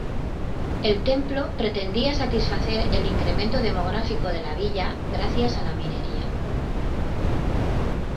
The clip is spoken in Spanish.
El templo pretendía satisfacer el incremento demográfico de la villa gracias a la minería.